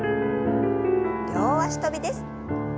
両脚跳びです。